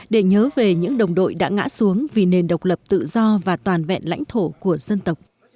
để nhớ về những đồng đội đã ngã xuống vì nền độc lập tự do và toàn vẹn lãnh thổ của dân tộc